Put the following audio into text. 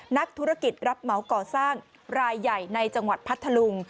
นักธุรกิจรับเหมาก่อสร้างรายใหญ่ในจังหวัดพัทธลุง